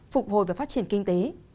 phục hồi và phát triển kinh tế